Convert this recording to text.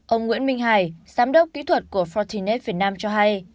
ông nguyễn minh hải giám đốc kỹ thuật của fortinet việt nam cho hay